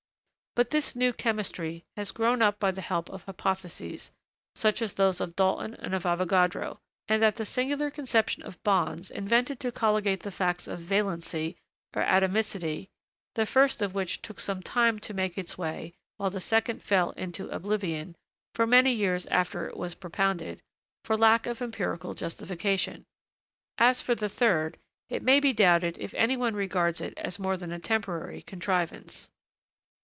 But this new chemistry has grown up by the help of hypotheses, such as those of Dalton and of Avogadro, and that singular conception of 'bonds' invented to colligate the facts of 'valency' or 'atomicity,' the first of which took some time to make its way; while the second fell into oblivion, for many years after it was propounded, for lack of empirical justification. As for the third, it may be doubted if anyone regards it as more than a temporary contrivance.